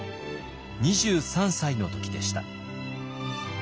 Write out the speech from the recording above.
２３歳の時でした。